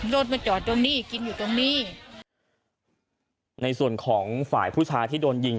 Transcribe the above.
รถมาจอดตรงนี้กินอยู่ตรงนี้ในส่วนของฝ่ายผู้ชายที่โดนยิง